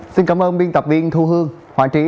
xin cảm ơn biên tập viên thu hương hoàng trí